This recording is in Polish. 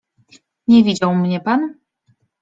Nie widział mnie pan?